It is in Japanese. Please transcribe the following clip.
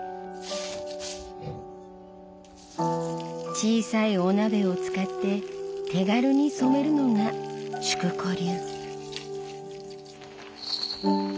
小さいお鍋を使って手軽に染めるのが淑子流。